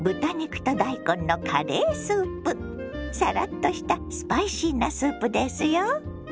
サラッとしたスパイシーなスープですよ。